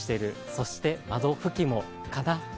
そして窓拭きもかな。